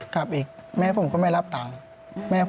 กลับอีกแม่ผมก็ไม่รับตังค์